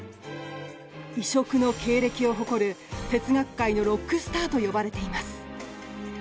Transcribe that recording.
異色の経歴を誇る哲学界のロックスターと呼ばれています。